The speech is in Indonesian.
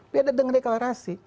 beda dengan deklarasi